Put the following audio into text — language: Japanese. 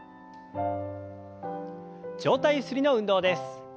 上体ゆすりの運動です。